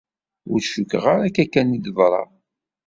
Ur cukkeɣ ara akka kan i d-teḍra.